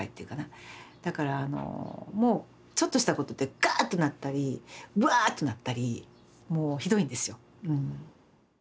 だからあのもうちょっとしたことでガーッとなったりワーッとなったりもうひどいんですよ。